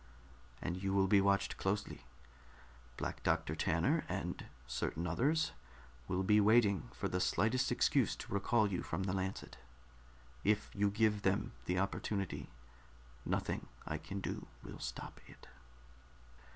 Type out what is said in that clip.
And you will be watched closely; Black Doctor Tanner and certain others will be waiting for the slightest excuse to recall you from the Lancet. If you give them the opportunity, nothing I can do will stop it."